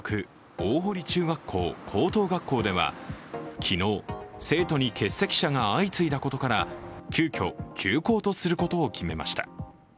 大濠中学校・高等学校では昨日、生徒に欠席者が相次いだことから急きょ、休校とすることを決めました。